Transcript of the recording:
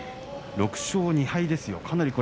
６勝２敗ですよ。